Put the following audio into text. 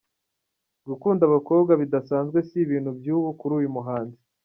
Gukunda abakobwa bidasanzwe si ibintu by’ubu kuri uyu muhanzi.